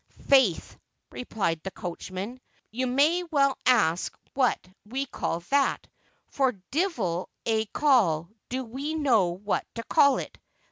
"Faith," replied the coachman, "you may well ask what we call that, for divil a call do we know what to call it.